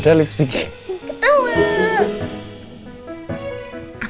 gak ada lipsticknya